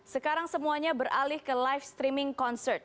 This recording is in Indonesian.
sekarang semuanya beralih ke live streaming concert